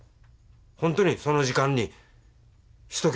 ホントにその時間にしとけば。